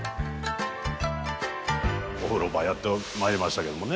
お風呂場やってまいりましたけどもね。